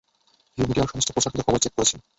Hugh মিডিয়ার সমস্ত প্রচারকৃত খবর চেক করেছে।